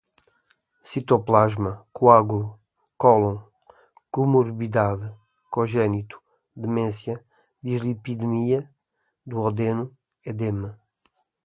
citoplasma, coágulo, cólon, comorbidade, congênito, demência, dislipidemia, duodeno, edema